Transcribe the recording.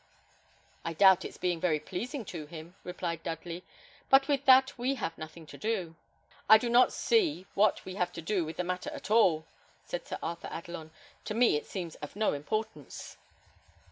"I doubt its being very pleasing to him," replied Dudley; "but with that we have nothing to do." "I do not see what we have to do with the matter at all," said Sir Arthur Adelon. "To me it seems of no importance."